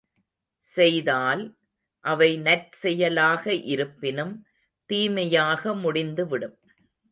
செய்தால், அவை நற்செயலாக இருப்பினும் தீமையாக முடிந்துவிடும்.